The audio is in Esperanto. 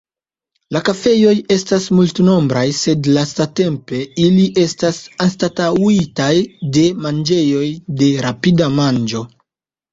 La kafejoj estas multnombraj, sed lastatempe ili estas anstataŭitaj de manĝejoj de rapida manĝo.